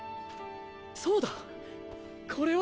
そうだっ！